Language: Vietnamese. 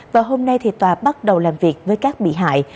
và hôm nay tòa bắt đầu làm việc với các bị hại